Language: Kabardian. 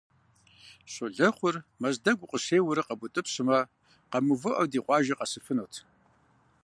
Щолэхъур Мэздэгу укъыщеуэрэ къэбутӀыпщмэ, къэмыувыӀэу, ди къуажэ къэсыфынут.